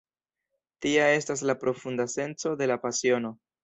Tia estas la profunda senco de la pasiono.